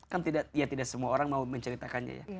kan ya tidak semua orang mau menceritakannya ya